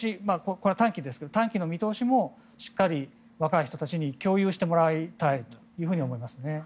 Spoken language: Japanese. これは短期ですが短期の見通しもしっかり若い人たちに共有してもらいたいと思いますね。